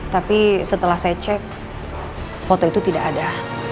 tapi setelah saya cek foto itu tidak ada